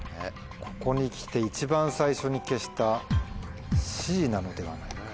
ここにきて一番最初に消したＣなのではないかと。